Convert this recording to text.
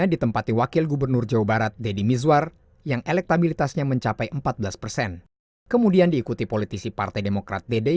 dengan yang cantik